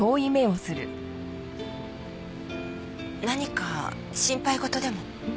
何か心配事でも？